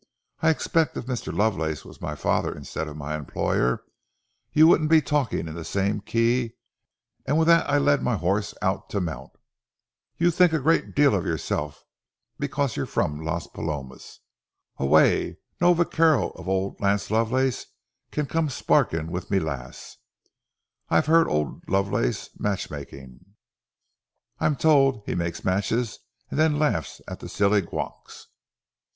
I expect if Mr. Lovelace was my father instead of my employer, you wouldn't be talking in the same key," and with that I led my horse out to mount. "Ye think a great deal o' yersel', because ye're frae Las Palomas. Aweel, no vaquero of auld Lance Lovelace can come sparkin' wi' ma lass. I've heard o' auld Lovelace's matchmaking. I'm told he mak's matches and then laughs at the silly gowks.